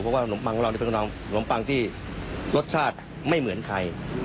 เพราะว่าขนมปังของเรานี่เป็นขนมปังที่รสชาติไม่เหมือนใคร